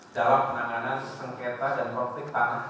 dalam penanganan sengketa dan konflik tanah dan ruang